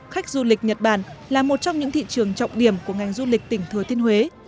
khách du lịch nhật bản là một trong những thị trường trọng điểm của ngành du lịch tỉnh thừa thiên huế